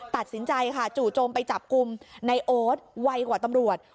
ตัดสินใจค่ะจู่โจมไปจับกลุ่มในโอ๊ตไวกว่าตำรวจ